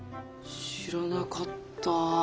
知らなかった。